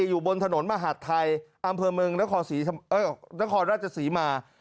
อยู่บนถนนมหาดไทยอำเภอเมืองนครราชศรีมา